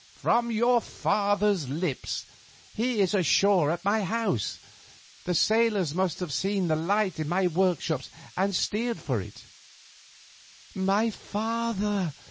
"From your father's lips. He is ashore at my house. The sailors must have seen the light in my workshop and steered for it." "My father?"